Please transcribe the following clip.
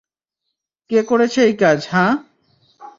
কে করছে এই কাজ, হাহ?